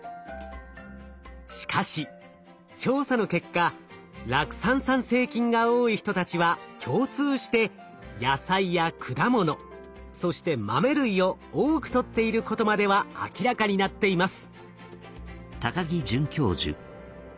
しかし調査の結果酪酸産生菌が多い人たちは共通して野菜や果物そして豆類を多くとっていることまでは明らかになっています。